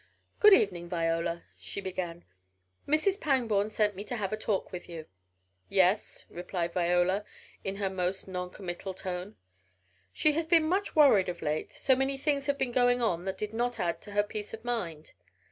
"Good evening, Viola," she began. "Mrs. Pangborn sent me to have a talk with you." "Yes?" replied Viola, in her most non committal tone. "She has been much worried of late, so many things have been going on that did not add to her peace of mind."